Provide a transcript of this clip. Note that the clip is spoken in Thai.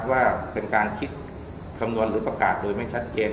ว่าเป็นการคิดคำนวณหรือประกาศโดยไม่ชัดเจน